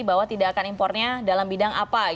bahwa tidak akan impornya dalam bidang apa